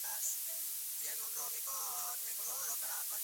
Valeria es Fashion y LifeStyle Blogger.